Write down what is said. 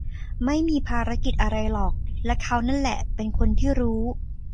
ไม่มีภารกิจอะไรหรอก และเขานั่นแหละเป็นคนที่รู้